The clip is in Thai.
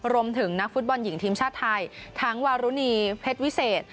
รวมถึงนักฟุตบอลหญิงทีมชาติไทยทั้งวารุณีเพชรวิเศษ